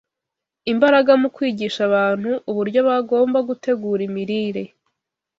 imbaraga mu kwigisha abantu uburyo bagomba gutegura imirire